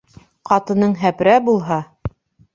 Ҡатының һәпрә булһа